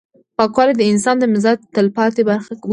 پاکوالی د انسان د مزاج تلپاتې برخه وګرځي.